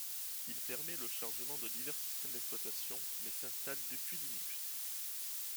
Il permet le chargement de divers systèmes d'exploitation, mais s'installe depuis Linux.